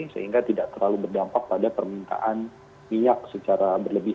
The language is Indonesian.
sehingga tidak terlalu berdampak pada permintaan minyak secara berlebih